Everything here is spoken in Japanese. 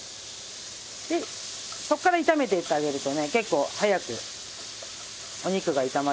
でそこから炒めていってあげるとね結構早くお肉が炒まりますからね。